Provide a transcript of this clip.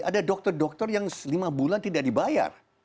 ada dokter dokter yang lima bulan tidak dibayar